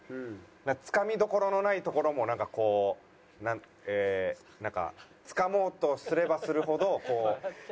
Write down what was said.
つかみどころのないところもなんかこうえーつかもうとすればするほど。